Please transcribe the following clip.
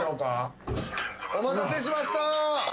お待たせしました！